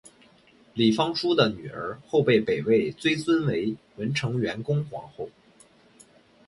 李方叔的女儿后被北魏追尊为文成元恭皇后。